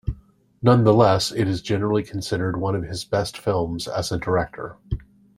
Nonetheless, it is generally considered one of his best films as a director.